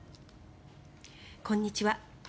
こんにちは。